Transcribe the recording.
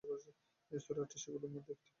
এই সূরাটি সেগুলোর মধ্যে একটি।